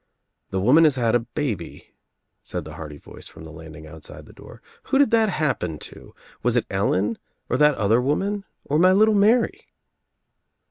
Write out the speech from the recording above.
"The woman has had a baby," said the hearty voice from the landing outside the door. "Who did that happen to? Was it Ellen or that other woman or my little Mary?"